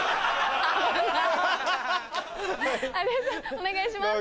お願いします。